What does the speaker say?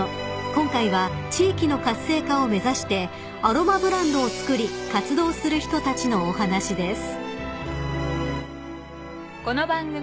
［今回は地域の活性化を目指してアロマブランドをつくり活動する人たちのお話です］